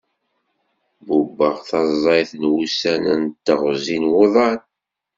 Bubbeɣ taẓayt n wussan d teɣzi n wuḍan.